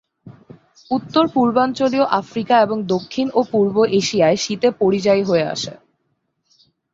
উত্তর-পূর্বাঞ্চলীয় Africa এবং দক্ষিণ ও পূর্ব এশিয়ায় শীতে পরিযায়ী হয়ে আসে।